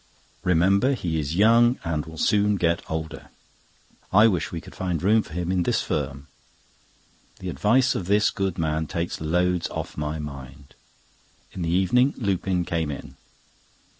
Remember he is young, and will soon get older. I wish we could find room for him in this firm." The advice of this good man takes loads off my mind. In the evening Lupin came in.